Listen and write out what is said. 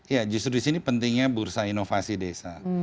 ya justru di sini pentingnya bursa inovasi desa